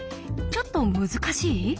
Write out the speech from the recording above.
ちょっと難しい？